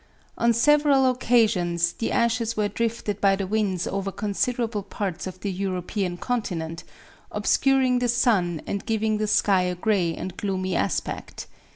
On several occasions the ashes were drifted by the winds over considerable parts of the European continent, obscuring the sun and giving the sky a gray and gloomy aspect.